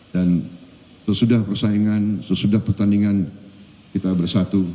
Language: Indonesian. dan sesudah persaingan sesudah pertandingan kita bersatu